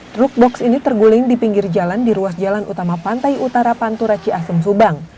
truk box ini terguling di pinggir jalan di ruas jalan utama pantai utara pantura ciasem subang